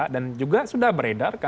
dan juga sudah beredar kan